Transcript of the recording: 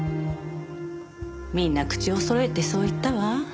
みんな口をそろえてそう言ったわ。